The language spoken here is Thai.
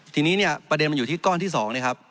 ทีนี้เนี่ยประเด็นมันอยู่ที่ก้อนที่๒นะครับ